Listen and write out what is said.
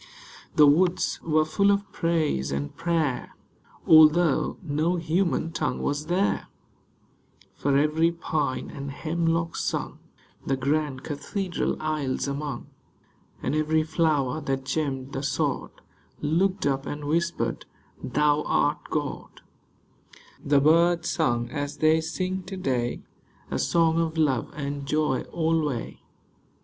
The woods were full of praise and prayer, Although no human tongue was there ; For every pine and hemlock sung The grand cathedral aisles among. And every flower that gemmed the sod Looked up and whispered, " Thou art God." The birds sung as they sing to day, A song of love and joy alway.